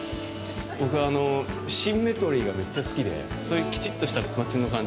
僕、シンメトリーがめっちゃ好きでそういうきちっとした町の感じ